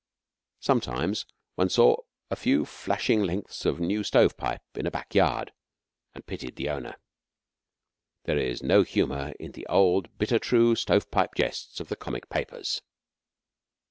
Sometimes one saw a few flashing lengths of new stovepipe in a backyard, and pitied the owner. There is no humour in the old, bitter true stovepipe jests of the comic papers.